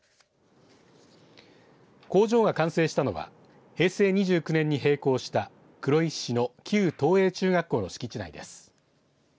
工場が完成したのは平成２９年に閉校した黒石市の旧東英中学校の敷地内です。